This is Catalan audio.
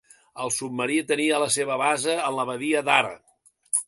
El submarí tenia la seva base en la Badia d'Ara.